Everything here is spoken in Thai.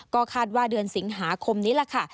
ก็คาดว่าเดือนสิงหาคมนี้แหละค่ะ